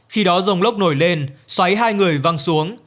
khi đó rông lốc nổi lên xoáy hai người văng xuống